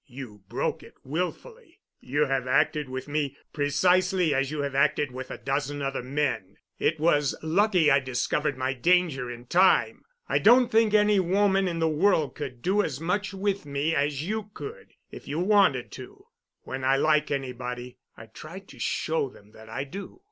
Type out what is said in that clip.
You broke it wilfully. You have acted with me precisely as you have acted with a dozen other men. It was lucky I discovered my danger in time. I don't think any woman in the world could do as much with me as you could—if you wanted to. When I like anybody I try to show them that I do.